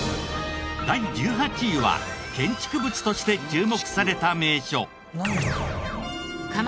第１８位は建築物として注目された名所。